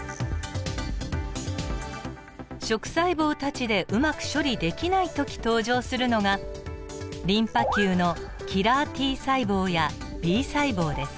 食細胞たちでうまく処理できない時登場するのがリンパ球のキラーＴ細胞やＢ細胞です。